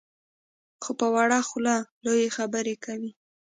خو په وړه خوله لویې خبرې کوي.